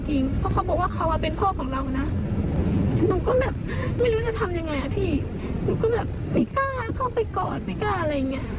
เพราะเขาบอกว่าเขาเป็นพ่อของเรานะหนูก็แบบไม่รู้จะทำยังไงอ่ะพี่หนูก็แบบไม่กล้าเข้าไปกอดไม่กล้าอะไรอย่างเงี้ย